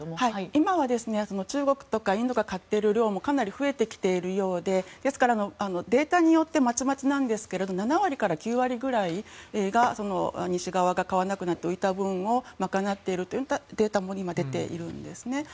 今は中国とかインドが買っている量もかなり増えてきているようでデータによってまちまちなんですけれども７割から９割ぐらいが西側が買わなくなって浮いた分をまかなっているといったデータも出ているんですね。